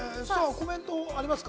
コメントありますか？